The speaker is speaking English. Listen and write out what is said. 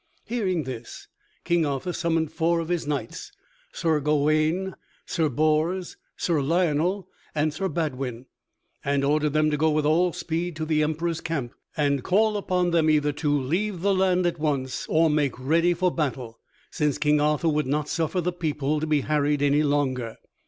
Hearing this, King Arthur summoned four of his knights Sir Gawaine, Sir Bors, Sir Lionel, and Sir Badouine and ordered them to go with all speed to the Emperor's camp, and all upon him either to leave the land at once or make ready for battle, since King Arthur would not suffer the people to be harried any longer.